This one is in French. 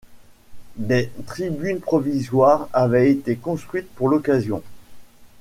Des tribunes provisoires avaient été construites pour l’occasion.